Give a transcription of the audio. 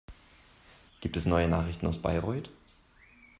Gibt es neue Nachrichten aus Bayreuth?